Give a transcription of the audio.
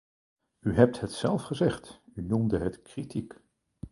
U hebt het zelf gezegd, u noemde het kritiek.